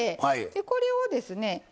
でこれをですね